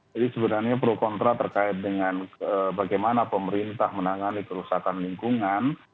jadi sebenarnya pro kontra terkait dengan bagaimana pemerintah menangani kerusakan lingkungan